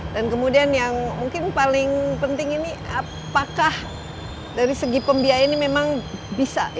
dan kemudian yang mungkin paling penting ini apakah dari segi pembiayaan ini memang bisa